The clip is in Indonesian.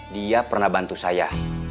dia pernah bantu saya